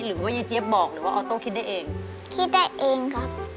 หรือว่ายายเจี๊ยบบอกหรือว่าออโต้คิดได้เองคิดได้เองครับ